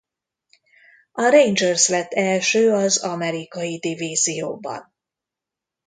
A Rangers lett első az Amerikai-divízióban.